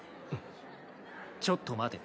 ちょっと待て。